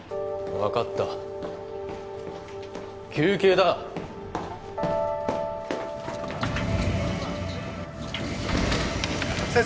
分かった救急だ先生